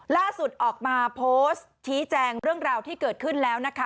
ล่าสุดออกมาโพสต์ชี้แจงเรื่องราวที่เกิดขึ้นแล้วนะคะ